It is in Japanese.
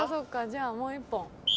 じゃもう１本。